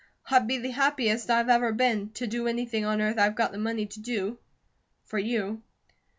I'd be the happiest I've ever been, to do anything on earth I've got the money to do, for you.